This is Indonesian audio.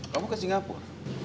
kamu ke singapur